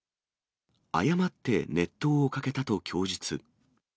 誤って熱湯をかけたと供述。